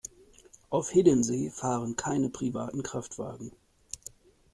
Auf Hiddensee fahren keine privaten Kraftwagen.